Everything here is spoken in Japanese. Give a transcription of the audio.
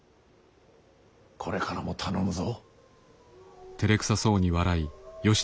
これからも頼むぞ。